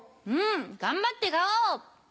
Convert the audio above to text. うん頑張ってガオ。